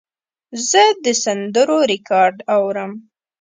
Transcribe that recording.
زه د سندرو ریکارډ اورم.